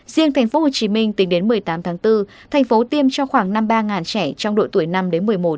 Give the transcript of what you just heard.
riêng tp hcm tính đến một mươi tám tháng bốn thành phố tiêm cho khoảng năm mươi ba trẻ trong độ tuổi năm đến một mươi một